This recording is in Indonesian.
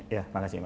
ya makasih mbak